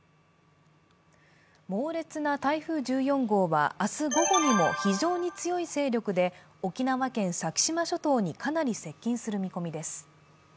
猛烈な台風１４号は明日午後にも非常に強い勢力で沖縄県先島諸島にかなり接近する見込みです。